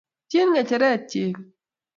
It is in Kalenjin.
ipchin ng'echeret chepi